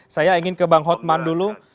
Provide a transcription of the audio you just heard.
saya ingin ke bang hotman dulu